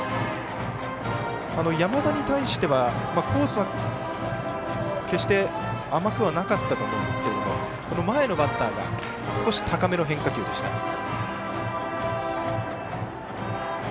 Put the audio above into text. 山田に対してはコースは決して甘くはなかったと思うんですが前のバッターが少し高めの変化球でした。